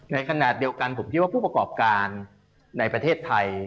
ในขณะเดียวกันผมคิดว่าผู้ประกอบการในประเทศไทย